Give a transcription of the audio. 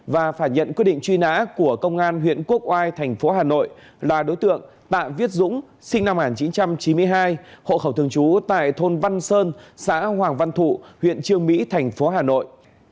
đối tượng truy nã của công an huyện quốc oai thành phố hà nội là đối tượng tạ viết dũng sinh năm một nghìn chín trăm chín mươi hai hộ khẩu thường chú tại thôn văn sơn xã hoàng văn thụ huyện trương mỹ thành phố hà nội